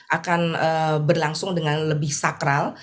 akan berlangsung dengan lebih sakral